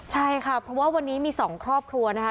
ใช่ค่ะเพราะว่าวันนี้มี๒ครอบครัวนะคะ